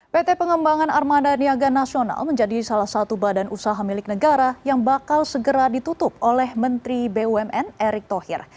pt pengembangan armada niaga nasional menjadi salah satu badan usaha milik negara yang bakal segera ditutup oleh menteri bumn erick thohir